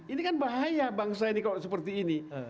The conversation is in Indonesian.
ini kan bahaya bangsa ini kok seperti ini